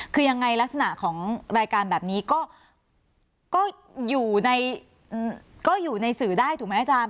คือยังไงลักษณะของรายการแบบนี้ก็อยู่ในก็อยู่ในสื่อได้ถูกไหมอาจารย์